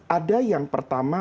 ada yang pertama